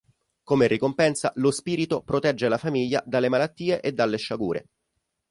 Come ricompensa, lo spirito protegge la famiglia dalle malattie e dalle sciagure.